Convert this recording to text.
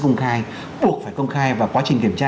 công khai buộc phải công khai vào quá trình kiểm tra